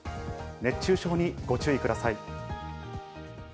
熱中症にご注意ください。